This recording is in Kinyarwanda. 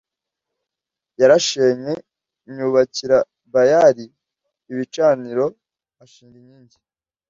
yarashenye n yubakira Bayali o ibicaniro p ashinga inkingi